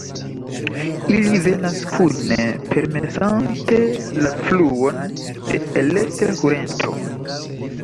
Ili venas kune permesante la fluon de elektra kurento.